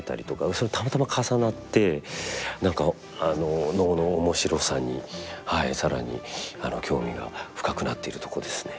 それたまたま重なって何か能の面白さに更に興味が深くなっているとこですね。